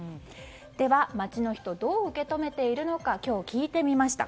では街の人どう受け止めているのか今日、聞いてみました。